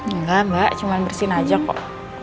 enggak mbak cuman bersihin aja kok